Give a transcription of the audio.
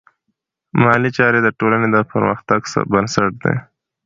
مالي چارې د ټولنې د پرمختګ بنسټ دی.